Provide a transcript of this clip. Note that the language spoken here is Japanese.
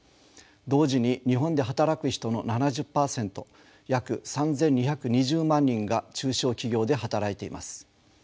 同時に日本で働く人の７０％約３，２２０万人が中小企業で働いています。